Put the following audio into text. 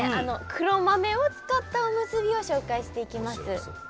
黒豆を使ったおむすびを紹介していきます。